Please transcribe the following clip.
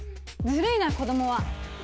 ずるいな、子どもは。